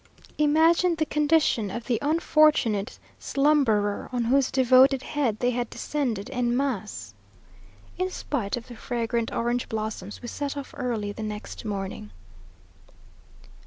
Imagine the condition of the unfortunate slumberer on whose devoted head they had descended en masse! In spite of the fragrant orange blossom, we set off early the next morning.